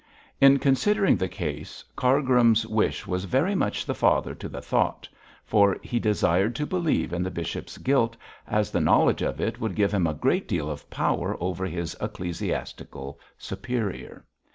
In considering the case, Cargrim's wish was very much the father to the thought, for he desired to believe in the bishop's guilt, as the knowledge of it would give him a great deal of power over his ecclesiastical superior.